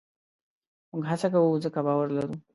موږ هڅه کوو؛ ځکه باور لرو.